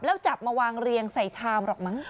แล้วจับมาวางเรียงใส่ชามหรอกมั้ง